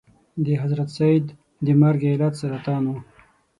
د حضرت سید د مرګ علت سرطان و.